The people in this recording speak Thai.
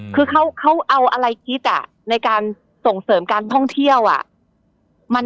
คือเขาเอาอะไรคิดในการส่งเสริมการท่องเที่ยว